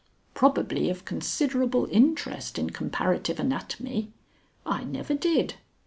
Probably of considerable interest in comparative anatomy. I never did!